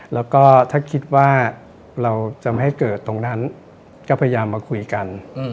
แล้วก็ถ้าคิดว่าเราจะไม่ให้เกิดตรงนั้นก็พยายามมาคุยกัน